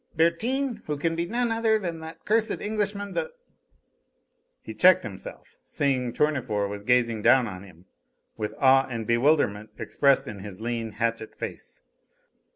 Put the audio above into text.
"Bertin, who can be none other than that cursed Englishman, the " He checked himself, seeing Tournefort was gazing down on him, with awe and bewilderment expressed in his lean, hatchet face.